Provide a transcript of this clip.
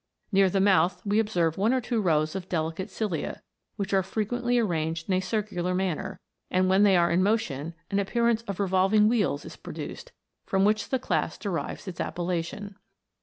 Near the mouth we observe one or two rows of delicate cilia, which are frequently arranged in a circular manner; and when they are in motion, an appearance of revolving wheels is produced, from which the class derives its appellation.